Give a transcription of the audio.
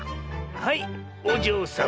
はいおじょうさま。